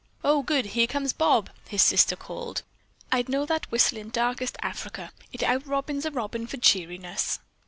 "Oh, good, here comes Bob!" his sister called. "I'd know that whistle in darkest Africa. It outrobins a robin for cheeriness."